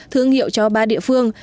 thương hiệu cho ba địa phương